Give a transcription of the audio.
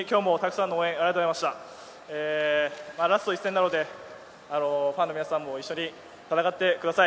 ラスト１戦、ファンの皆さんも一緒に戦ってください。